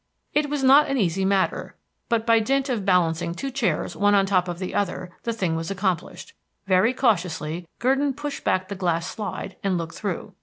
It was not an easy matter, but by dint of balancing two chairs one on top of the other the thing was accomplished. Very cautiously Gurdon pushed back the glass slide and looked through.